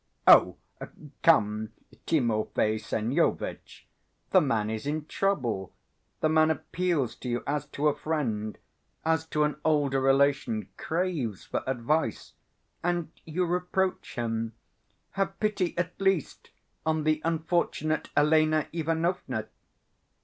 "Oh, come, Timofey Semyonitch! The man is in trouble, the man appeals to you as to a friend, as to an older relation, craves for advice and you reproach him. Have pity at least on the unfortunate Elena Ivanovna!"